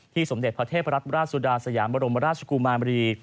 สมเด็จพระเทพรัฐราชสุดาสยามบรมราชกุมารี